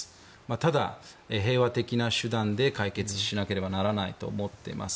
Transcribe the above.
ただ平和的な手段で解決しなければならないと思ってます。